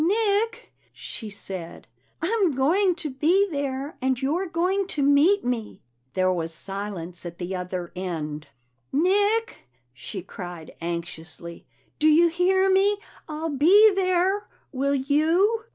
"Nick," she said, "I'm going to be there, and you're going to meet me." There was silence at the other end. "Nick!" she cried anxiously. "Do you hear me? I'll be there. Will you?"